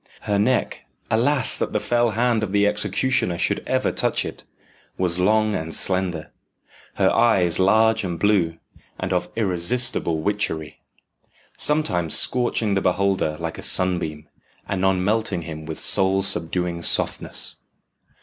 Her neck alas! that the fell hand of the executioner should ever touch it was long and slender, her eyes large and blue, and of irresistible witchery sometimes scorching the beholder like a sunbeam, anon melting him with soul subduing softness.